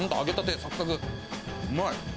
うまい。